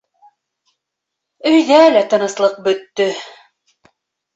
Өйҙә лә тыныслыҡ бөттө.